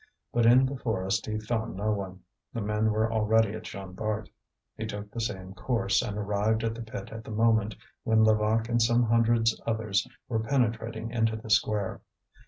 But in the forest he found no one; the men were already at Jean Bart. He took the same course, and arrived at the pit at the moment when Levaque and some hundreds others were penetrating into the square.